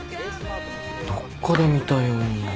どっかで見たような。